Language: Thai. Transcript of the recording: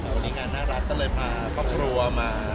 วันนี้งานน่ารักก็เลยพาครอบครัวมา